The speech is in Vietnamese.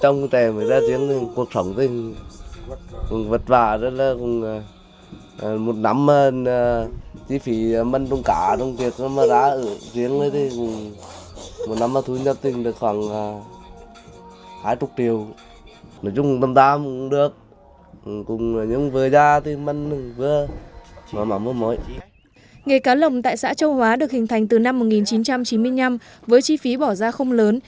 nghề cá lồng tại xã châu hóa được hình thành từ năm một nghìn chín trăm chín mươi năm với chi phí bỏ ra không lớn